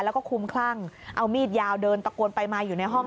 แล้วก็คุ้มคลั่งเอามีดยาวเดินตะโกนไปมาอยู่ในห้อง